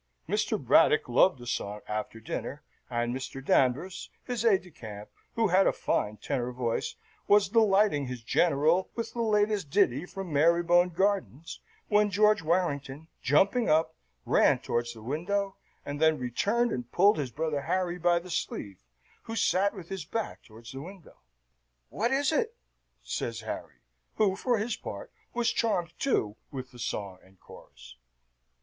Mr. Braddock loved a song after dinner, and Mr. Danvers, his aide de camp, who had a fine tenor voice, was delighting his General with the latest ditty from Marybone Gardens, when George Warrington, jumping up, ran towards the window, and then returned and pulled his brother Harry by the sleeve, who sate with his back towards the window. "What is it?" says Harry, who, for his part, was charmed, too, with the song and chorus.